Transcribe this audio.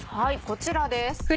こちらです。